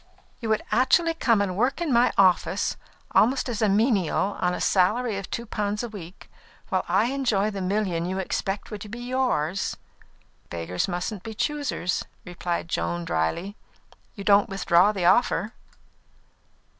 "You would actually come and work in my office, almost as a menial, on a salary of two pounds a week, while I enjoy the million you expected would be yours?" "Beggars mustn't be choosers," returned Joan, drily. "You don't withdraw the offer?"